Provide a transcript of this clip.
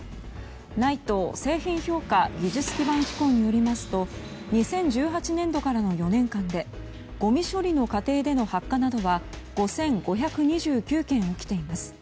ＮＩＴＥ・製品評価技術基盤機構によりますと２０１８年度からの４年間でごみ処理の過程での発火などは５５２９件起きています。